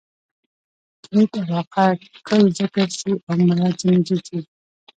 کلیت علاقه؛ کل ذکر سي او مراد ځني جز يي.